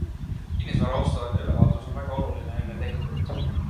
Kinnisvara ostueelne ülevaatus on väga oluline enne tehingut.